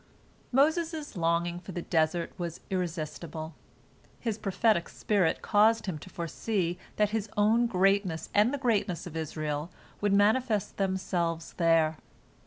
Moses' longing for the desert was irresistible. His prophetic spirit caused him to foresee that his own greatness and the greatness of Israel would manifest themselves there.